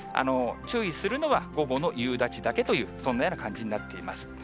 注意するのは午後の夕立だけという、そんなような感じになっています。